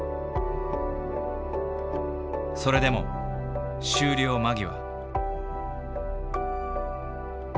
それでも終了間際。